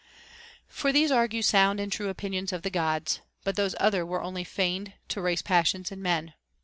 t For these argue sound and true opinions of the Gods ; but those other were only feigned to raise passions in men.